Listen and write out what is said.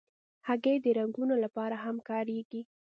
هګۍ د رنګونو لپاره هم کارېږي.